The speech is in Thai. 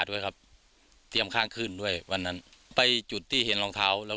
ด้วยครับเตรียมข้างขึ้นด้วยวันนั้นไปจุดที่เห็นรองเท้าแล้ว